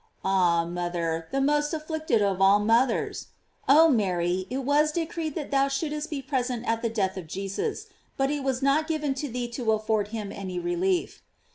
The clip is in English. Ah, mother, the most afflicted of all mothers! oh Mary, it was decreed that thou shouldst be present at the death of Jesus, but it was not given to thee to afford him any relief.